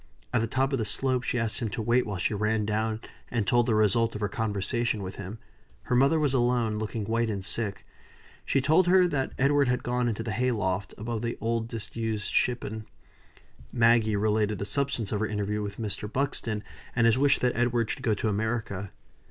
At the top of the slope she asked him to wait while she ran down and told the result of her conversation with him. Her mother was alone, looking white and sick. She told her that Edward had gone into the hay loft, above the old, disused shippon. Maggie related the substance of her interview with Mr. Buxton, and his wish that Edward should go to America.